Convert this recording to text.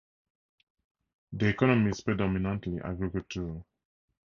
The economy is predominantly agricultural.